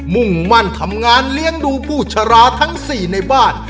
มุ่งมั่นทำงานเลี้ยงดูผู้ชราทั้ง๔ในบ้าน